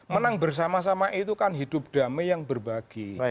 menang bersama sama itu kan hidup damai yang berbagi